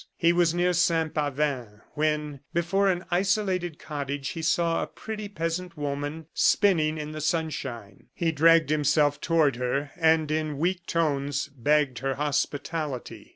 He was near Saint Pavin, when, before an isolated cottage, he saw a pretty peasant woman spinning in the sunshine. He dragged himself toward her, and in weak tones begged her hospitality.